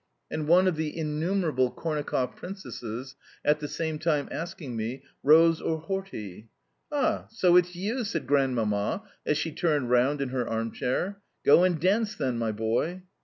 And one of the innumerable Kornakoff princesses, at the same time asking me, "Rose or Hortie?" "Ah, so it's YOU!" said Grandmamma as she turned round in her armchair. "Go and dance, then, my boy."